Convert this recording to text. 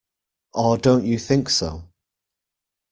Or don't you think so?